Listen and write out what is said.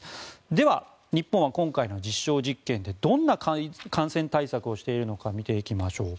では、日本は今回の実証実験でどんな感染対策をしているのか見ていきましょう。